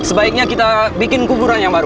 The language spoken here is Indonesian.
sebaiknya kita bikin kuburan yang baru